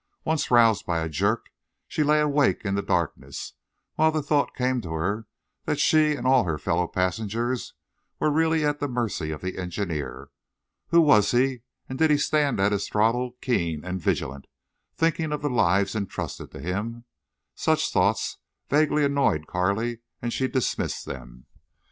Once, roused by a jerk, she lay awake in the darkness while the thought came to her that she and all her fellow passengers were really at the mercy of the engineer. Who was he, and did he stand at his throttle keen and vigilant, thinking of the lives intrusted to him? Such thoughts vaguely annoyed Carley, and she dismissed them.